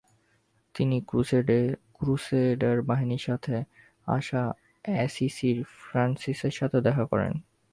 তিনি ক্রুসেডার বাহিনীর সাথে আসা অ্যাসিসির ফ্যান্সিসের সাথেও দেখা করেন।